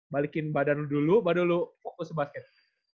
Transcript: balikin badan lu dulu baru lu fokus basket